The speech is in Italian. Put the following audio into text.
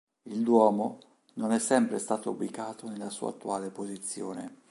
Il Duomo non è sempre stato ubicato nella sua attuale posizione.